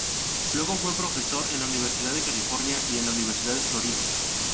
Luego fue profesor en la Universidad de California y en la Universidad de Florida.